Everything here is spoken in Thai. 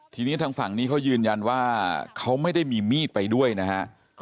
ทีนี้ทางฝั่งนี้เขายืนยันว่าเขาไม่ได้มีมีดไปด้วยนะฮะ